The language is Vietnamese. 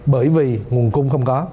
bởi vì nguồn cung không có